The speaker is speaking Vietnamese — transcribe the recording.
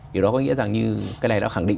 điều đó có nghĩa rằng như cái này đã khẳng định